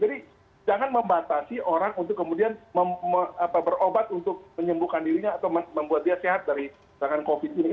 jadi jangan membatasi orang untuk kemudian berobat untuk menyembuhkan dirinya atau membuat dia sehat dari covid ini